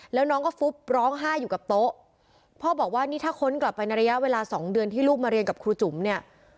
แล้วน้องก็ฟุบร้องไห้อยู่กับโต๊ะพ่อบอกว่านี่ถ้าค้นกลับไปในระยะเวลาสองเดือนที่ลูกมาเรียนกับครูจุ๋มเนี่ย